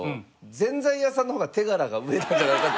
ぜんざい屋さんの方が手柄が上なんじゃないかって。